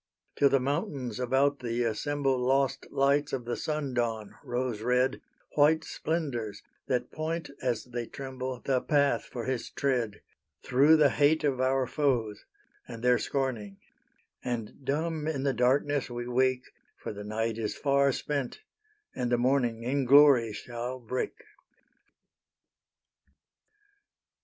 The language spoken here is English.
Till the mountains about thee assemble Lost lights of the sun dawn, rose red, White splendours, that point as they tremble The path for His tread: Through the hate of our foes, and their scorning And dumb in the darkness we wake, For the night is far spent and the morning In glory shall break.